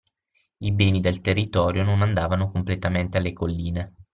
I beni del territorio non andavano completamente alle colline